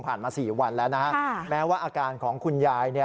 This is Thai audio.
มา๔วันแล้วนะฮะแม้ว่าอาการของคุณยาย